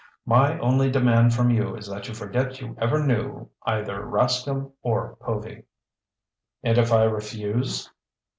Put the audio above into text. My only demand from you is that you forget you ever knew either Rascomb or Povy." "And if I refuse?"